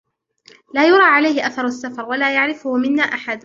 لا يُرَى عَلَيْهِ أَثَرُ السَّفَرِ، وَلا يَعْرِفُهُ مِنَّا أَحَدٌ،